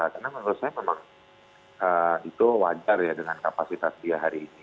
karena menurut saya memang itu wajar ya dengan kapasitas dia hari ini